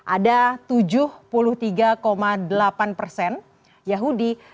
ada tujuh puluh tiga delapan yahudi